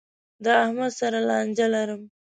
له احمد سره لانجه لرم.